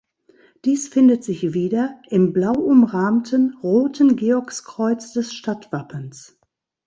Dies findet sich wieder im blau umrahmten roten Georgskreuz des Stadtwappens.